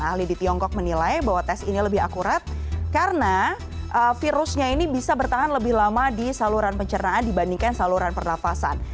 ahli di tiongkok menilai bahwa tes ini lebih akurat karena virusnya ini bisa bertahan lebih lama di saluran pencernaan dibandingkan saluran pernafasan